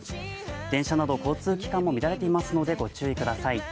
電車など交通機関も乱れていますので、ご注意ください。